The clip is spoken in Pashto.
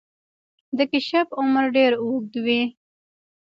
د کیشپ عمر ډیر اوږد وي